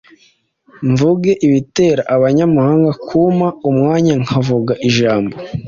Mvuge ibitera Abanyamahanga kumpa umwanya nkavuga ijambo.